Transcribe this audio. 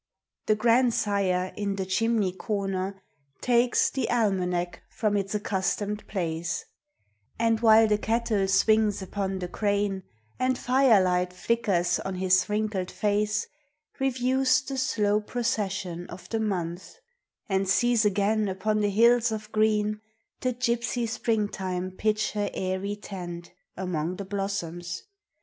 THE grandsire, in the chimney corner, takes The almanac from its accustomed place, And while the kettle swings upon the crane, And firelight flickers on his wrinkled face, Reviews the slow procession of the months; And sees again upon the hills of green The gypsy Springtime pitch her airy tent Among the blossoms.